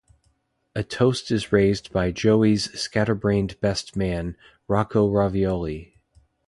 A toast is raised by Joey's scatterbrained best man, Rocco Ravioli.